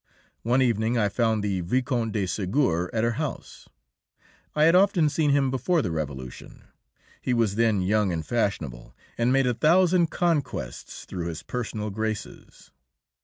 One evening I found the Viscount de Ségur at her house. I had often seen him before the Revolution; he was then young and fashionable, and made a thousand conquests through his personal graces.